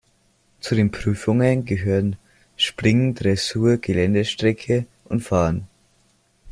Zu den Prüfungen gehören Springen, Dressur, Geländestrecke und Fahren.